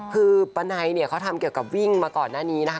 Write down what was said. คือปะไนเนี่ยเขาทำเกี่ยวกับวิ่งมาก่อนหน้านี้นะคะ